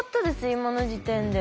今の時点で。